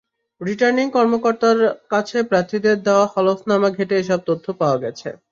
Returning কর্মকর্তার কাছে প্রার্থীদের দেওয়া হলফনামা ঘেঁটে এসব তথ্য পাওয়া গেছে।